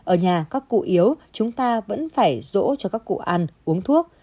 ở nhà các cụ yếu chúng ta vẫn phải rỗ cho các cụ ăn uống thuốc